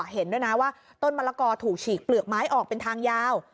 เห็นด้วยนะว่าต้นมะละกอถูกฉีกเปลือกไม้ออกเป็นทางยาว